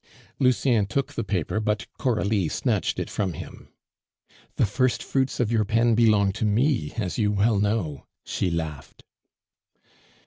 Lucien took the paper but Coralie snatched it from him. "The first fruits of your pen belong to me, as you well know," she laughed.